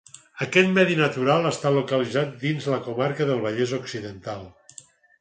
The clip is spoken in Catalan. Aquest medi natural està localitzat dins la comarca del Vallès Occidental.